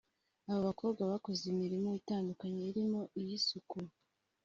Aba bakobwa bakoze imirimo itandukanye irimo iy’isuku